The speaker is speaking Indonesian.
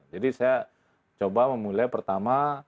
jadi saya coba memulai pertama